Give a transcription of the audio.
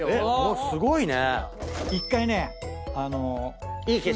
すごいね。